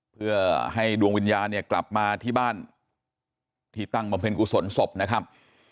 เพื่อให้ดวงวิญญาณเนี่ยกลับมาที่บ้านที่ตั้งบำเพ็ญกุศลศพนะครับ